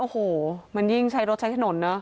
โอ้โหมันยิ่งใช้รถใช้ถนนเนอะ